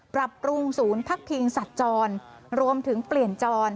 ปรับปรุงศูนย์พักพิงสัตว์จรรวมถึงเปลี่ยนจร